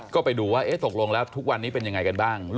ก็ไปดูว่าตกลงแล้วทุกวันนี้เป็นยังไงกันบ้าง